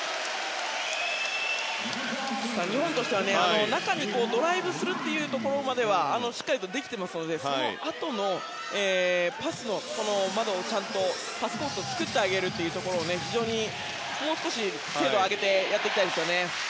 日本としては中にドライブするところまではしっかりとできていますのでそのあとのパスコースをちゃんと作ってあげるところを非常に、もう少し精度を上げてやっていきたいですね。